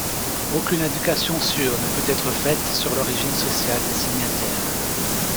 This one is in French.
Aucune indication sûre ne peut être faite sur l'origine sociale des signataires.